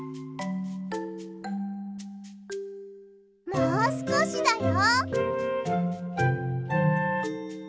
もうすこしだよ。